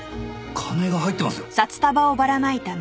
金が入ってますよ！